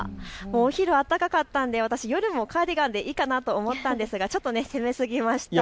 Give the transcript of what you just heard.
お昼は暖かかったんで夜もカーディガンでいいかなと思ったのですが少し攻めすぎました。